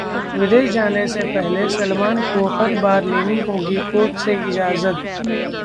विदेश जाने से पहले सलमान को हर बार लेनी होगी कोर्ट से इजाजत